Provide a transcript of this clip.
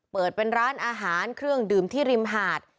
เปิดเป็นร้านอาหารเครื่องดื่มที่ริมหาด